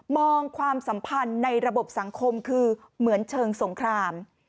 ความสัมพันธ์ในระบบสังคมคือเหมือนเชิงสงคราม